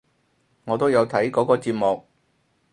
我都有睇嗰個節目！